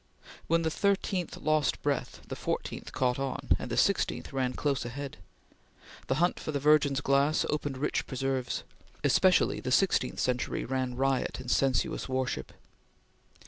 When the thirteenth lost breath, the fourteenth caught on, and the sixteenth ran close ahead. The hunt for the Virgin's glass opened rich preserves. Especially the sixteenth century ran riot in sensuous worship.